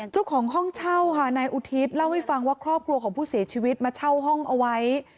เจ้าของห้องเช่าค่ะนายอุทิศเล่าให้ฟังว่าครอบครัวของผู้เสียชีวิตมาเช่าห้องเอาไว้